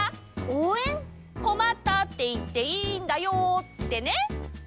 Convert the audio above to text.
「こまった」っていっていいんだよってね。